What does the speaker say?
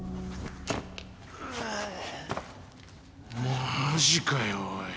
マジかよおい。